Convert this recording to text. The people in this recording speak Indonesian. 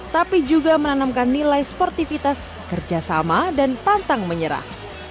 tapi juga menanamkan nilai sportivitas kerjasama dan pantang menyerah